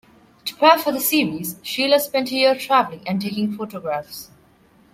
To prepare for the series, Sheeler spent a year traveling and taking photographs.